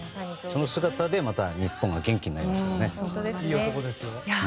その姿でまた日本が元気になりますからね。